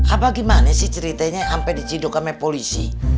abah gimana sih ceritanya ampe dicidok ke polisi